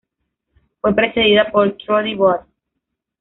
Fue precedida por "Trudy Bot.